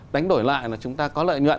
đánh đổi lại là chúng ta có lợi nhuận